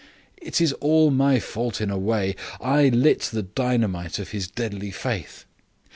It is all my fault, in a way: I lit the dynamite of his deadly faith.